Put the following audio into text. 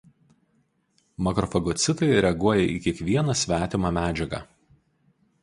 Makrofagocitai reaguoja į kiekvieną svetimą medžiagą.